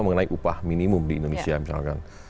mengenai upah minimum di indonesia misalkan